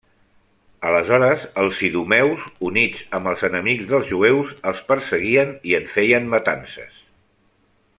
Aleshores els idumeus, units amb els enemics dels jueus, els perseguien i en feien matances.